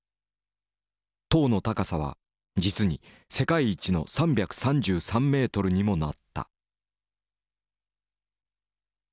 塔の高さは実に世界一の３３３ｍにもなった。